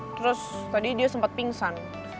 terus tadi dia sempat pingsan